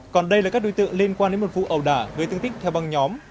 còn đây là các đối tượng liên quan đến một vụ ẩu đả gây thương tích theo băng nhóm